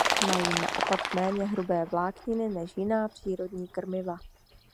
Mají naopak méně hrubé vlákniny než jiná přírodní krmiva.